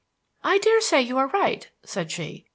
"I daresay you are right," said she.